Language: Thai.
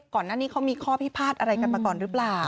ก่อนหน้านี้เขามีข้อพิพาทอะไรกันมาก่อนหรือเปล่า